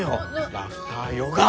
ラフターヨガ！